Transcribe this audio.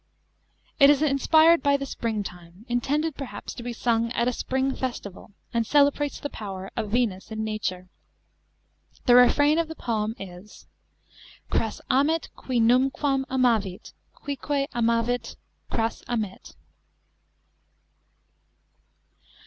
It is inspired by the spring time, intended perhaps to be sung at a spring festival, and celebrates the power of Venus in nature. The refrain of the poem is Cras amet qui numquam amavit, quique amavit eras amet.